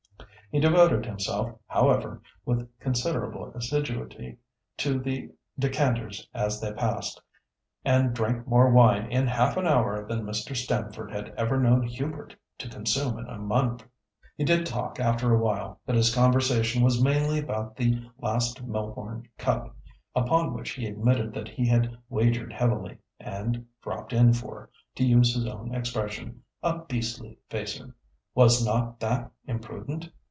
He devoted himself, however, with considerable assiduity to the decanters as they passed, and drank more wine in half an hour than Mr. Stamford had ever known Hubert to consume in a month. He did talk after a while, but his conversation was mainly about the last Melbourne Cup, upon which he admitted that he had wagered heavily, and "dropped in for," to use his own expression, "a beastly facer." "Was not that imprudent?"